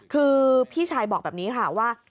คือพี่ชายบอกแบบนี้ค่ะว่า